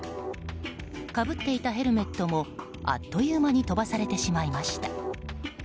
かぶっていたヘルメットもあっという間に飛ばされてしまいました。